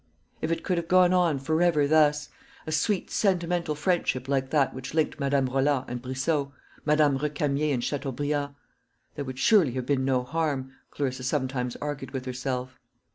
If it could have gone on for ever thus a sweet sentimental friendship like that which linked Madame Roland and Brissot, Madame Recamier and Chateaubriand there would surely have been no harm, Clarissa sometimes argued with herself.